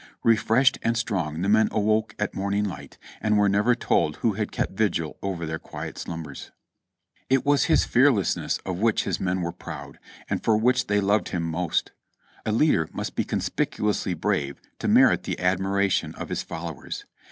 Refreshed and strong the men awoke at morning light, and were never told who had kept vigil over their quiet slumbers?" It was his fearlessness of which his men were proud, and for which they loved him most. A leader must be conspicuously brave to merit the admiration of his followers.